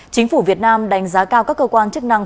chính phủ việt nam đánh giá cao các cơ quan chức năng